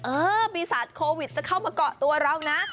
เออปีศาจโควิดจะเข้ามาเกาะตัวเรานะ